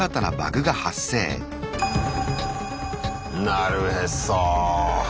なるへそ。